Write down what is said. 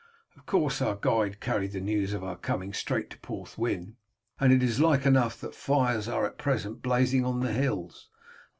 "Of course our guide carried the news of our coming straight to Porthwyn, and it is like enough that fires are at present blazing on the hills.